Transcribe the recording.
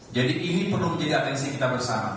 jadi ini perlu menjadi atensi kita bersama